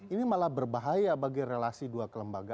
ini malah berbahaya bagi relasi dua kelembagaan